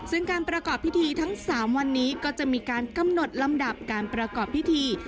ซึ่งการประกอบพิธีทั้ง๓วันนี้ก็จะมีการกำหนดลำดับการประกอบพิธี